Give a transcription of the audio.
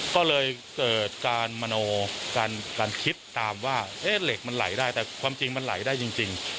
ก็เลยเกิดการมโนการคิดตามว่าเหล็กมันไหลได้แต่ความจริงมันไหลได้จริง